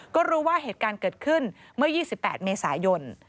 ก็รู้ว่าเหตุการณ์เกิดขึ้นเมื่อ๒๘เมษายน